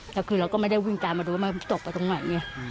แล้วคือเราก็ไม่ได้วิ่งตามมาดูว่ามันตกไปตรงไหนไง